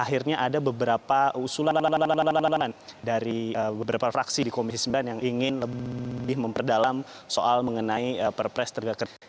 akhirnya ada beberapa usulan dari beberapa fraksi di komisi sembilan yang ingin lebih memperdalam soal mengenai perpres terkait